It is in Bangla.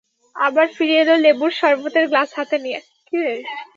আবার ফিরে এল লেবুর সরবতের গ্লাস হাতে নিয়ে।